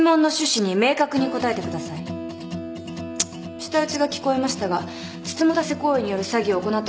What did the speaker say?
舌打ちが聞こえましたがつつもたせ行為による詐欺を行った。